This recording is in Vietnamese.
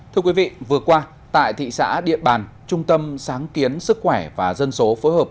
thưa quý vị vừa qua tại thị xã điện bàn trung tâm sáng kiến sức khỏe và dân số phối hợp